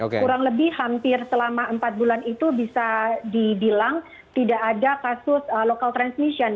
kurang lebih hampir selama empat bulan itu bisa dibilang tidak ada kasus local transmission